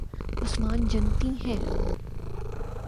عثمان جنتی ہیں